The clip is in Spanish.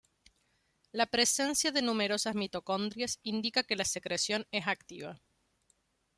La presencia de numerosas mitocondrias indica que la secreción es activa.